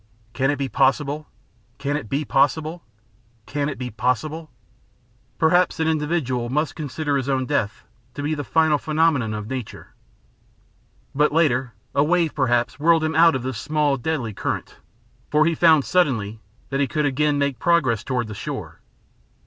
Can it be possible Can it be possible? Can it be possible?" Perhaps an individual must consider his own death to be the final phenomenon of nature. But later a wave perhaps whirled him out of this small, deadly current, for he found suddenly that he could again make progress toward the shore.